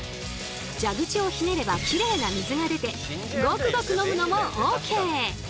蛇口をひねればキレイな水が出てゴクゴク飲むのもＯＫ！